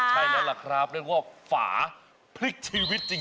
ใช่แล้วล่ะครับเรียกว่าฝาพลิกชีวิตจริง